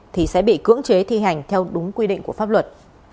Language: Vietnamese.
thì sẽ bị cưỡng chế thi hành theo đúng quy định của pháp luật